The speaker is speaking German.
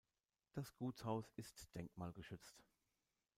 Das Gutshaus ist denkmalgeschützt.